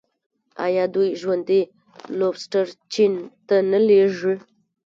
آیا دوی ژوندي لوبسټر چین ته نه لیږي؟